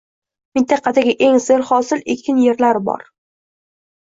Mintaqadagi eng serhosil ekin yerlar bor